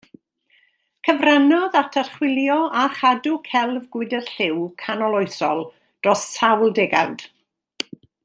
Cyfrannodd at archwilio a chadw celf gwydr lliw canoloesol dros sawl degawd.